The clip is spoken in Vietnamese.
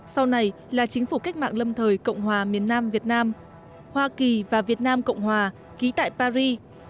sau này là chính phủ cách mạng lâm thời cộng hòa miền nam việt nam hoa kỳ và việt nam cộng hòa ký tại paris